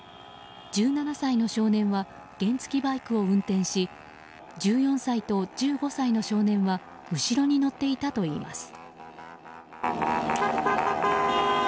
１７歳の少年が原付きバイクを運転し１４歳と１５歳の少年は後ろに乗っていたといいます。